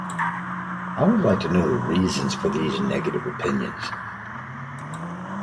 I would like to know the reasons for these negative opinions.